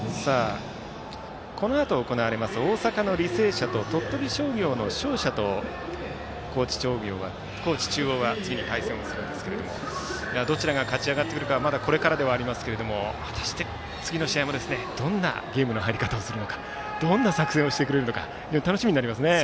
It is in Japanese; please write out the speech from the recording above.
このあと行われます大阪の履正社と鳥取商業の勝者と高知中央は次に対戦をするんですがどちらが勝ちあがってくるかはまだこれからではありますが果たして次の試合もどんな入り方をするのかどんな作戦をしてくれるのか楽しみになりますね。